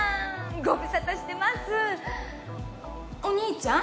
ご無沙汰してますお兄ちゃん？